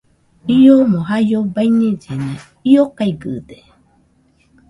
Iomo jaio baiñellena, io gaigɨde